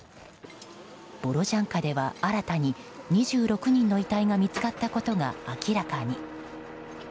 ボロジャンカでは新たに２６人の遺体が見つかったことが明らかに。